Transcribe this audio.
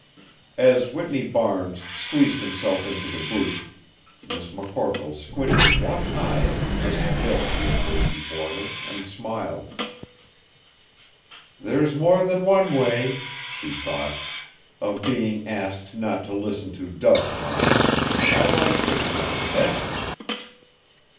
As Whitney Barnes squeezed himself into the booth, Miss McCorkle squinted one eye at the crisp bill he had laid before her and smiled. "There's more than one way," she thought, "of being asked not to listen to dove talk, and I like this method best."